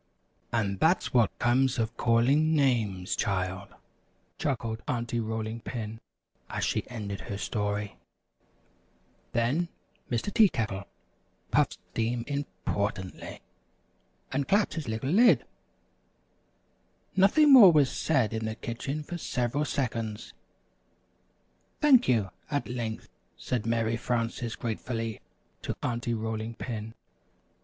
"And that's what comes of calling names, child," chuckled Aunty Rolling Pin, as she ended her story. Then Mr. Tea Kettle puffed steam importantly, and clapped his little lid. Nothing more was said in the kitchen for several seconds. [Illustration: Kettles were just as black.] "Thank you!" at length said Mary Frances gratefully to Aunty Rolling Pin.